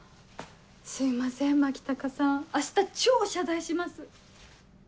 すいません牧高さん明日超謝罪します。